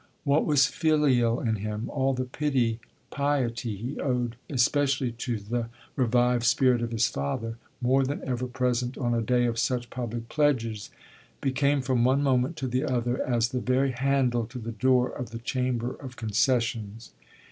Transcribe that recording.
What was filial in him, all the piety he owed, especially to the revived spirit of his father, more than ever present on a day of such public pledges, became from one moment to the other as the very handle to the door of the chamber of concessions.